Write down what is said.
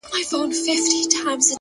پوهه د امکاناتو افق پراخوي؛